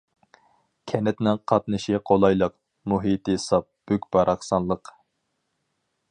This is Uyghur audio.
كەنتنىڭ قاتنىشى قولايلىق، مۇھىتى ساپ، بۈك-باراقسانلىق.